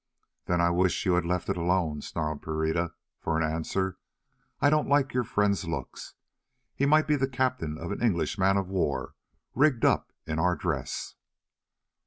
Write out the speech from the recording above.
"Then I wish you had left it alone," snarled Pereira for an answer. "I don't like your friend's looks. He might be the captain of an English man of war rigged up in our dress."